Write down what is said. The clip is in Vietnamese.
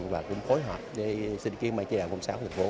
và cũng phối hợp để xin kiếm mạnh chỉ đạo sáu của thành phố